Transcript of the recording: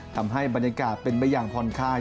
ทำให้บรรยากาศเป็นบริหารผ่อนคาย